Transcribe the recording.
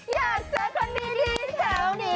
อยากเจอคนดีแถวนี้